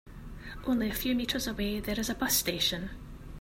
Only a few meters away there is a bus station.